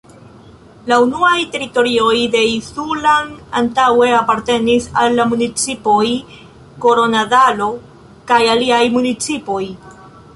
La nunaj teritorioj de Isulan antaŭe apartenis al la municipoj Koronadalo kaj aliaj municipoj.